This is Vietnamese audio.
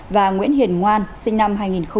và nguyễn hiền ngoan sinh năm hai nghìn một